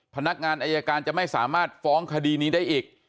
พนักงานอายการจะไม่สามารถฟ้องคดีนี้ได้อีก